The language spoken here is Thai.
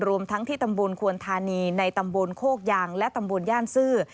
รวมทั้งที่ตำบลควรธานีในตำบลโคกยางและตำบลย่านซื่อ